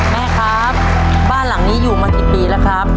แม่ครับบ้านหลังนี้อยู่มากี่ปีแล้วครับ